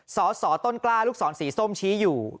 สสต้นกล้าลูกศรสีส้มชี้อยู่